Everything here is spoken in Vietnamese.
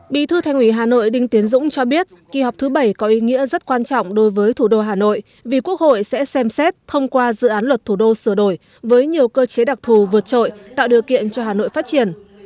bí thư thành ủy hà nội đinh tiến dũng cho biết kỳ họp thứ bảy có ý nghĩa rất quan trọng đối với thủ đô hà nội vì quốc hội sẽ xem xét thông qua dự án luật thủ đô sửa đổi với nhiều cơ chế đặc thù vượt trội tạo điều kiện cho hà nội phát triển